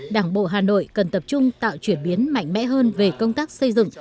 đảng bộ hà nội cần tập trung tạo chuyển biến mạnh mẽ hơn về công tác xây dựng